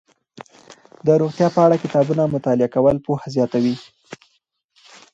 د روغتیا په اړه د کتابونو مطالعه کول پوهه زیاتوي.